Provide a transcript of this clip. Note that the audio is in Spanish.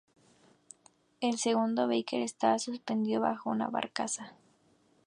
El segundo, "Baker", estaba suspendido bajo una barcaza.